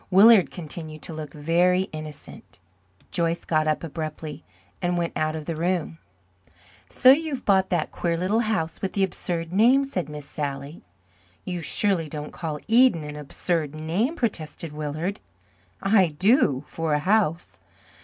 Willard continued to look very innocent. Joyce got up abruptly and went out of the room. "So you have bought that queer little house with the absurd name?" said Miss Sally. "You surely don't call Eden an absurd name," protested Willard. "I do for a house.